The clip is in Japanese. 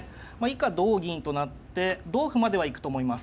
以下同銀となって同歩までは行くと思います。